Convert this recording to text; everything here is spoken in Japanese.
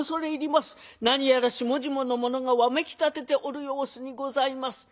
何やら下々の者がわめき立てておる様子にございます」。